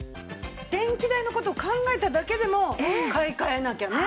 電気代の事を考えただけでも買い替えなきゃね。